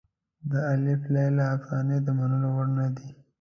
د الف لیله افسانې د منلو وړ نه دي.